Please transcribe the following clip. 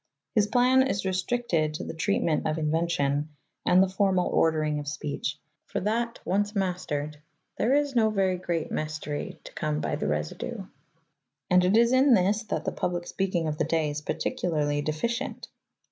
His plan is restricted to the treatment of invention and the formal ordering of speech, for that once mastered, "there is no very great maystry to come by the resydue, " and it is in this that the public speaking of the day is particularly defi cient.